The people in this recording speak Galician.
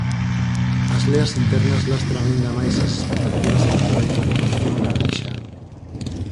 As leas internas lastran aínda máis as expectativas electorais da formación laranxa.